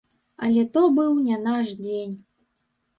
Але то быў не наш дзень.